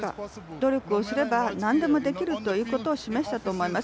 努力をすればなんでもできるということを示したと思います。